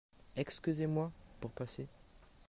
Excusez-moi ! (pour passer).